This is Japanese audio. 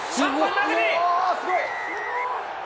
すごい。